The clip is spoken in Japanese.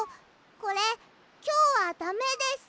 これきょうはダメです！